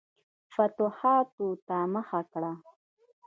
فتوحاتو ته مخه کړه.